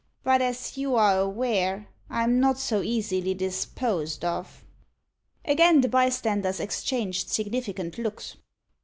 "But, as you are aware, I'm not so easily disposed of." Again the bystanders exchanged significant looks.